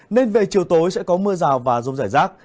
nên về chiều tối sẽ có mưa rào và rông rải rác